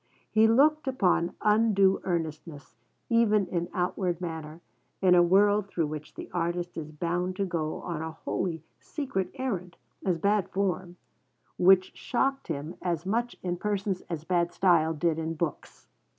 He looked upon undue earnestness, even in outward manner, in a world through which the artist is bound to go on a wholly 'secret errand,' as bad form, which shocked him as much in persons as bad style did in books.